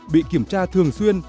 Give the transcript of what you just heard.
bị kiểm tra thường xuyên